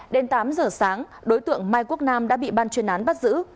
đến tám giờ sáng đối tượng mai quốc nam đã bị ban chuyên án bắt giữ